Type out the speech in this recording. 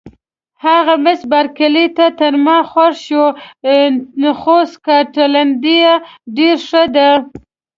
هغه مس بارکلي ته تر ما خوښ شوې، خو سکاټلنډۍ یې ډېره ښه ده.